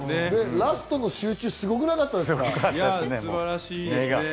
ラストの集中、すごかったですね。